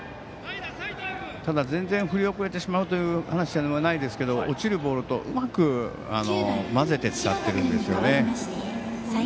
ただ全然、振り遅れてしまうという話じゃないですが落ちるボールと、うまく交ぜて使っているんですね。